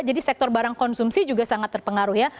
jadi sektor barang konsumsi juga sangat terpengaruh ya